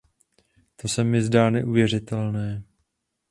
To se mi zdá neuvěřitelné.